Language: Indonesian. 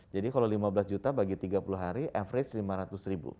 jadi kalau lima belas juta bagi tiga puluh hari average lima ratus ribu